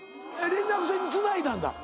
連絡船につないだんだ。